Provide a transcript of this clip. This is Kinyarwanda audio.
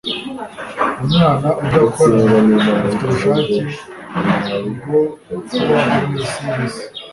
Umwana udakora afite ubushake bwo kubaho mwisi yisi